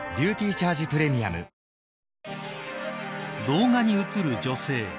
動画に映る女性。